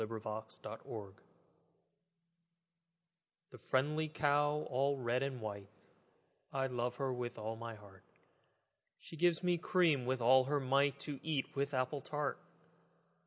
XXIII The Cow The friendly cow all red and white, I love with all my heart: She gives me cream with all her might, To eat with apple tart.